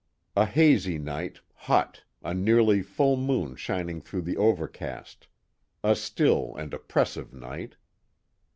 A hazy night, hot, a nearly full moon shining through the overcast. A still and oppressive night."